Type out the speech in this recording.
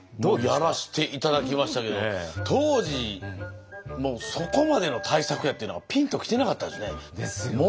やらして頂きましたけど当時そこまでの大作やっていうのがピンときてなかったですね。ですよね。